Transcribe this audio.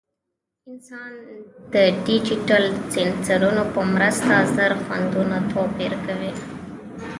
انسان د ډیجیټل سینسرونو په مرسته زر خوندونه توپیر کوي.